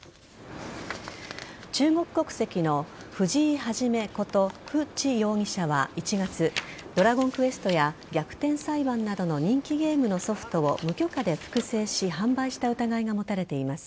中国国籍の藤井一ことフ・チ容疑者は１月「ドラゴンクエスト」や「逆転裁判」などの人気ゲームのソフトを無許可で複製し販売した疑いが持たれています。